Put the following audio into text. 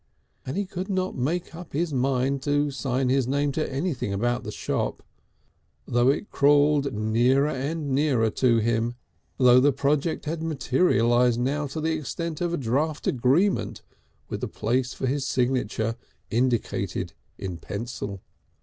And he could not make up his mind to sign his name to anything about the shop, though it crawled nearer and nearer to him, though the project had materialised now to the extent of a draft agreement with the place for his signature indicated in pencil.